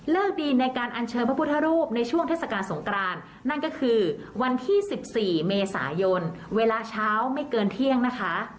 ดีในการอัญเชิญพระพุทธรูปในช่วงเทศกาลสงกรานนั่นก็คือวันที่๑๔เมษายนเวลาเช้าไม่เกินเที่ยงนะคะ